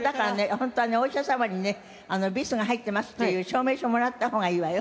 本当はねお医者様にねビスが入っていますっていう証明書もらった方がいいわよ。